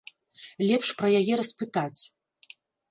Лепш пра яе распытаць.